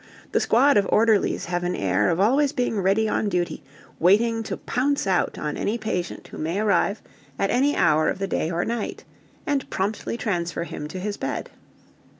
The squad of orderlies have an air of always being ready on duty waiting to pounce out on any patient who may arrive at any hour of the day or night and promptly transfer him to his bed.